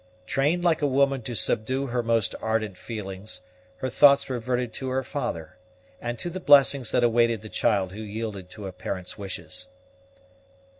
Trained like a woman to subdue her most ardent feelings, her thoughts reverted to her father, and to the blessings that awaited the child who yielded to a parent's wishes.